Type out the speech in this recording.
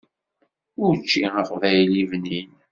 Učči aqbayli bnin.